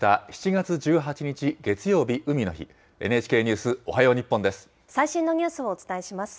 ７月１８日月曜日海の日、ＮＨＫニュースおはよう日本です。